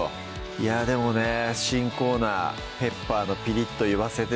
いやでもね新コーナー「ペッパーのピリッと言わせて！」